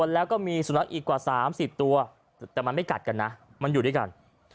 แล้วก็มีสุนัขอีกกว่า๓๐ตัวแต่มันไม่กัดกันนะมันอยู่ด้วยกัน